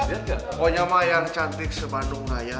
pokoknya mah yang cantik se bandung raya